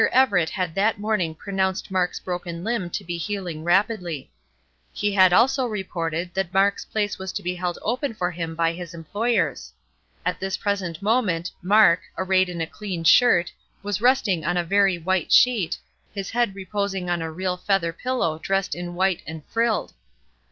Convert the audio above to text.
Everett had that morning pronounced Mark's broken limb to be healing rapidly. He had also reported that Mark's place was to be held open for him by his employers. At this present moment, Mark, arrayed in a clean shirt, was resting on a very white sheet, his head reposing on a real feather pillow dressed in white and frilled.